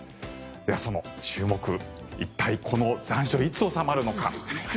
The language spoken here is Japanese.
その注目、一体、この残暑いつ収まるのか。